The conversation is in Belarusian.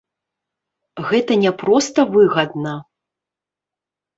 Гэта не проста выгадна.